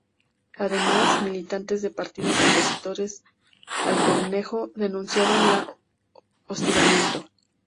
Además, militantes de partidos opositores a Cornejo denunciaron hostigamiento.